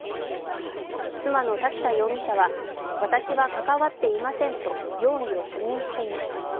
妻の瀧田容疑者は私は関わっていませんと容疑を否認しています。